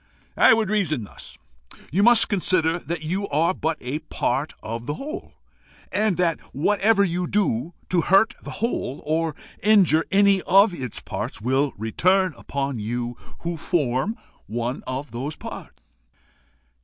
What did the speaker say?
"I would reason thus: You must consider that you are but a part of the whole, and that whatever you do to hurt the whole, or injure any of its parts, will return upon you who form one of those parts."